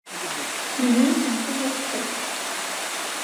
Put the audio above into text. Les nuits sont toujours fraîches.